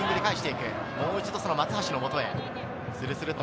もう一度、松橋のもとへ。